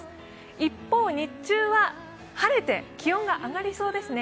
一方、日中は晴れて気温が上がりそうですね。